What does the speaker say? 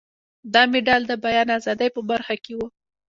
دا مډال د بیان ازادۍ په برخه کې و.